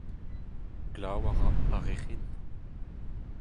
Glav a ra a-rec'hin.